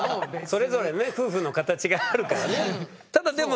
それぞれね夫婦の形があるからね。